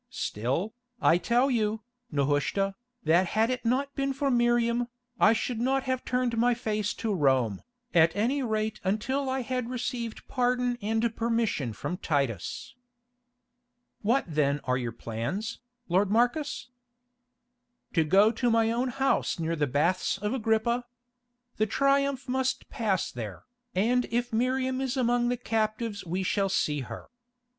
Still, I tell you, Nehushta, that had it not been for Miriam, I should not have turned my face to Rome, at any rate until I had received pardon and permission from Titus." "What then are your plans, lord Marcus?" "To go to my own house near the Baths of Agrippa. The Triumph must pass there, and if Miriam is among the captives we shall see her.